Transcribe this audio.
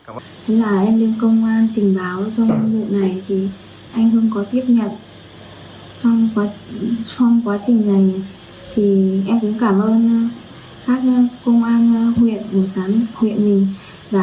em đến công an trình báo trong vụ này anh hương có tiếp nhận trong quá trình này